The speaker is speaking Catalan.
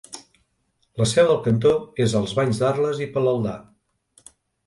La seu del cantó és als Banys d'Arles i Palaldà.